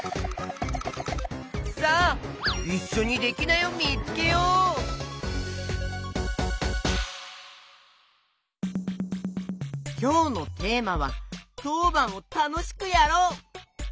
さあいっしょにきょうのテーマは「とうばんをたのしくやろう」。